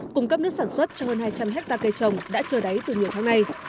cung cấp nước sản xuất cho hơn hai trăm linh hectare cây trồng đã trơ đáy từ nhiều tháng nay